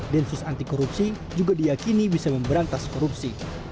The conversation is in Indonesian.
densus anti korupsi juga diakini bisa memberantas korupsi